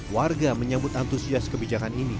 warga menyambut antusias kebijakan ini